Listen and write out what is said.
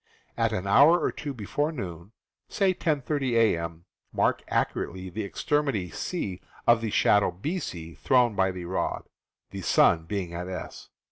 At an hour or two before noon (say at 10:30 a.m.) mark accurately the extremity C of the shadow BC thrown by the rod, the sun being at S.